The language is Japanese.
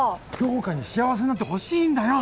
杏花に幸せになってほしいんだよ